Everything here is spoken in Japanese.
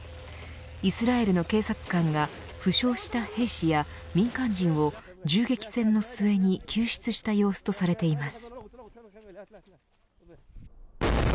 イスラエルの警察官が負傷した兵士や民間人を銃撃戦の末に救出した様子とされています。